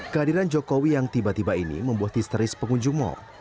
kehadiran jokowi yang tiba tiba ini membuat histeris pengunjung mal